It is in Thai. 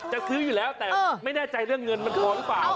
จะซื้ออยู่แล้วแต่ไม่แน่ใจเรื่องเงินมันพอหรือเปล่า